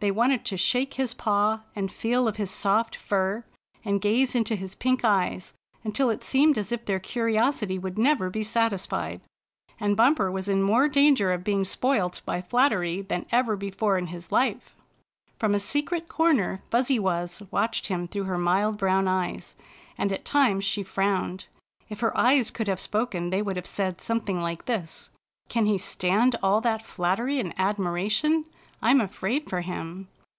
They wanted to shake his paw and feel of his soft fur, and gaze into his pink eyes, until it seemed as if their curiosity would never be satisfied. And Bumper was in more danger of being spoilt by flattery than ever before in his life! From a secret comer 94 Bumper wins Spotted Tail's Friend$hip Fuzzy Wuzz watched him through her mild brown eyes, and at times she frowned. If her eyes could have spoken they would have said something like this: "Can he stand all that flat tery and admiration? I'm afraid for him."